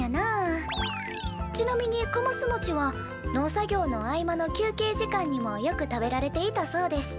「ちなみにかますもちは農作業の合間の休けい時間にもよく食べられていたそうです」。